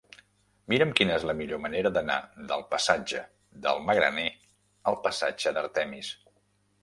Mira'm quina és la millor manera d'anar del passatge del Magraner al passatge d'Artemis.